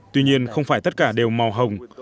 tuy nhiên không phải tất cả đều màu hồng